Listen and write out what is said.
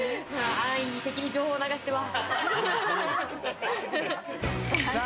安易に敵に情報を流しては。